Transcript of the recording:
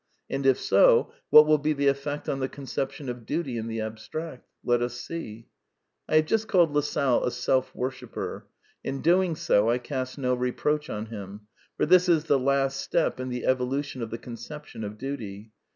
And if so, what will be the eSect on the conception of Duty in the abstract? Let us see. I have just called Lassalle a self worshipper. In doing so I cast no reproach on him; for this is the last step in the evolution of the conception of duty.